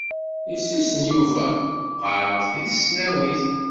Yessi-s n Yuba qqarent deg tesnawit.